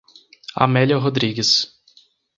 Amélia Rodrigues